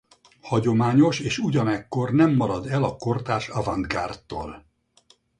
Hagyományos és ugyanekkor nem marad el a kortárs avantgárdtól.